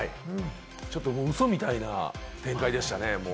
ちょっとウソみたいな展開でしたね。